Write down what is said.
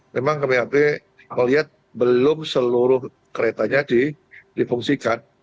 memang kpmt melihat belum seluruh keretanya dipungsikan